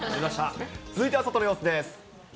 続いては外の様子です。